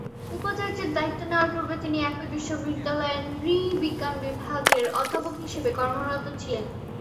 উপাচার্যের দায়িত্ব নেয়ার পূর্বে তিনি একই বিশ্ববিদ্যালয়ের নৃ-বিজ্ঞান বিভাগের অধ্যাপক হিসেবে কর্মরত ছিলেন।